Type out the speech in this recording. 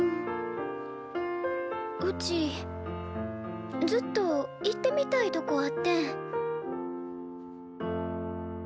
うちずっと行ってみたいとこあってん。